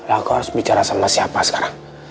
aku harus bicara sama siapa sekarang